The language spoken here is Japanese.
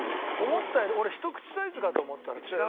思ったより俺ひと口サイズかと思ったら違うね。